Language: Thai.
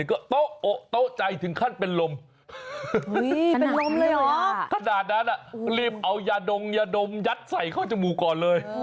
ก็โต๊ะโอ๊ะโต๊ะใจถึงขั้นเป็นลมขนาดนั้นอ่ะรีบเอายาดมยาดมยัดใส่เข้าจมูก่อนเลย